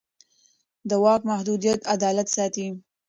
د واک محدودیت عدالت ساتي